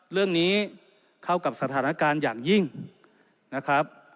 เรื่องนี้เข้ากับสถานการณ์อย่างยิ่งนะครับ